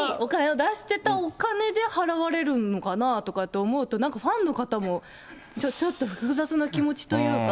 出してたお金で払われるのかなとかって思うと、なんかファンの方も、ちょっと複雑な気持ちというか。